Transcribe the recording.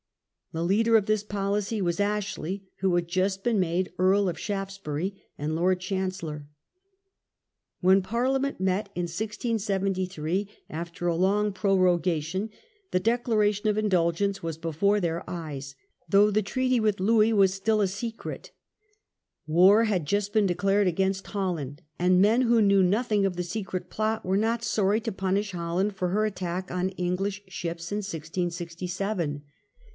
The leader of this policy was Ashley, who had just been made Earl of Shaftesbury and Lord Chancellor. When Parliament met in 1673, after a long prorogation, the Declaration of Indulgence was before their eyes, though the treaty with Louis was still a secret, opposition War had just been declared against Holland, increases, and men who knew nothing of the secret plot were not sorry to punish Holland for her attack on English ships 78 GROWING OPPOSITION. in 1667.